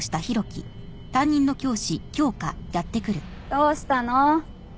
どうしたの？